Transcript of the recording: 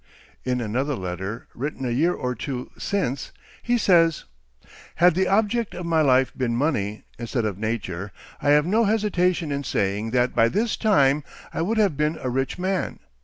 In another letter, written a year or two since, he says: "Had the object of my life been money instead of nature, I have no hesitation in saying that by this time I would have been a rich man.